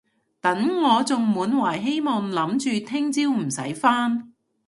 等我仲滿懷希望諗住聽朝唔使返